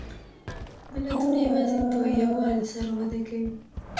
ملتونه یوازې په یووالي سره وده کوي.